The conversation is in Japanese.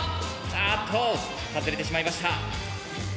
あっと外れてしまいました。